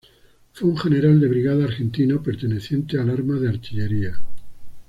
Fue un General de Brigada argentino perteneciente al arma de Artillería.